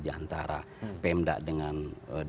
di antara pemda dengan dpr